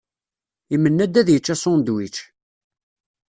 Imenna-d ad yečč asunedwič